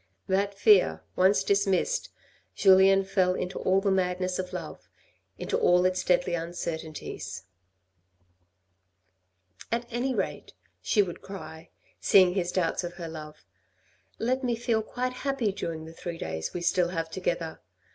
That fear once dismissed, Julien fell into all the madness of love, into all its deadly uncertainties. 122 THE RED AND THE BLACK " At any rate," she would cry, seeing his doubts of her love, " let me feel quite happy during the three days we still have together.